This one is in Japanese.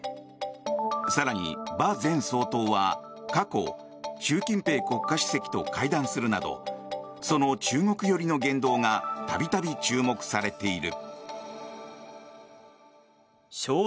更に馬前総統は、過去習近平国家主席と会談するなどその中国寄りの言動が度々注目されている。